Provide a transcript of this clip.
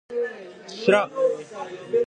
しらん